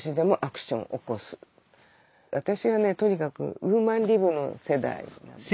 私はねとにかくウーマンリブの世代なんですよね。